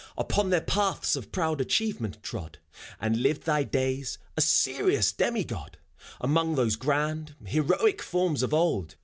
Upon their paths of proud achievement trod. And lived thy days, a serious demigod. Among .those grand, heroic forms of old.